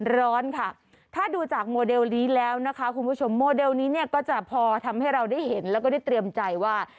ร้อนค่ะถ้าดูจากโมเดลนี้แล้วนะคะคุณผู้ชมโมเดลนี้เนี่ยก็จะพอทำให้เราได้เห็นแล้วก็ได้เตรียมใจว่า